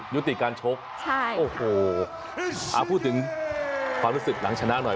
ยุติการชกใช่โอ้โหเอาพูดถึงความรู้สึกหลังชนะหน่อย